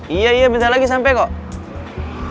iya iya bentar lagi sampai kok